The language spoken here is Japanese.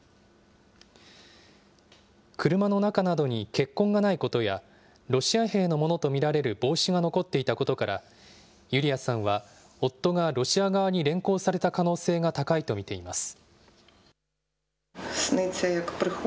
車の中などに血痕がないことや、ロシア兵のものと見られる帽子が残っていたことから、ユリアさんは夫がロシア側に連行された可能性が高いと見ています。